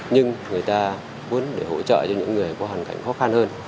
nhưng người ta muốn để hỗ trợ cho những người có hoàn cảnh khó khăn hơn